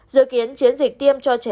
dự kiến chiến dịch tiêm cho trẻ